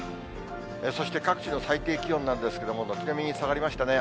そして各地の最低気温なんですけれども、軒並み下がりましたね。